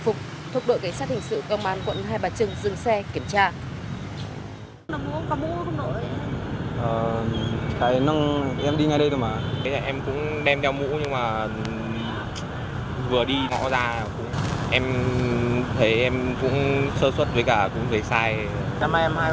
phục thuộc đội cảnh sát hình sự công an quận hai bà trưng dừng xe kiểm tra